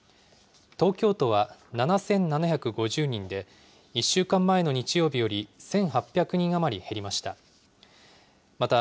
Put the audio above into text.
東京都は７７５０人で、１週間前の日曜日より１８００人余り減りました。